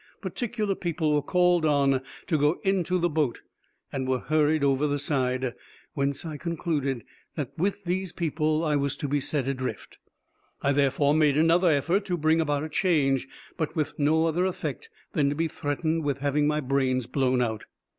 Particular people were called on to go into the boat, and were hurried over the side, whence I concluded that with these people I was to be set adrift. I therefore made another effort to bring about a change, but with no other effect than to be threatened with having my brains blown out.